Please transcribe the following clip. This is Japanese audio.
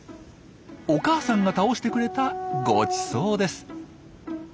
お母さんが倒してくれたごちそうです。